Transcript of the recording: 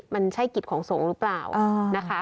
มันใช่กิจของสงฆ์หรือเปล่านะคะ